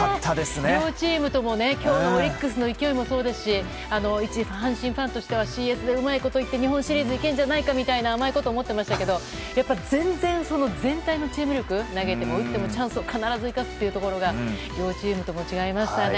両チームとも今日のオリックスの勢いもそうですしいち阪神ファンとしてはＣＳでうまいこといって日本シリーズいけるんじゃないかと甘いこと思ってましたけどやっぱり全然全体のチーム力投げても打っても必ずチャンスを出すというのが両チームとも違いましたね。